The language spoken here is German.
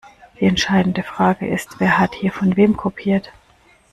Die entscheidende Frage ist, wer hat hier von wem kopiert?